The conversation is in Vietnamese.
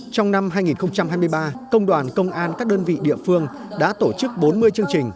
trong năm hai nghìn hai mươi ba công đoàn công an các đơn vị địa phương đã tổ chức bốn mươi chương trình